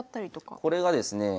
これがですねえ